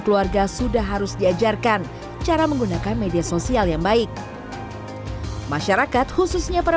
keluarga sudah harus diajarkan cara menggunakan media sosial yang baik masyarakat khususnya para